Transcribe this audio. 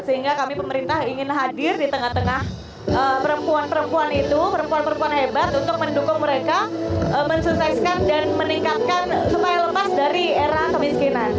sehingga kami pemerintah ingin hadir di tengah tengah perempuan perempuan itu perempuan perempuan hebat untuk mendukung mereka mensukseskan dan meningkatkan supaya lepas dari era kemiskinan